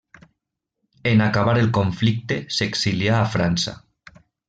En acabar el conflicte s'exilià a França.